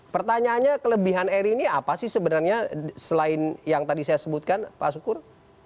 pertanyaannya kelebihan eri ini apa sih sebenarnya selain yang tadi saya sebutkan pak sukur